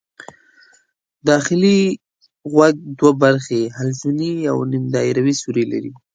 داخلي غوږ دوې برخې حلزوني او نیم دایروي سوري لري.